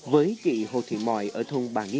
với chị hồ thị mòi ở thôn bà nghĩa